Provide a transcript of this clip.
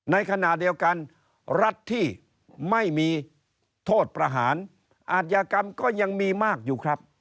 ในขณะเดียวกันรัฐที่ไม่มีโทษประหารอาจยากรรมก็ยังมีมากอยู่ครับ